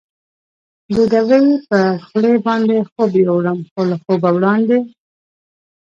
د ډبې پر غولي باندې خوب یووړم، خو له خوبه وړاندې.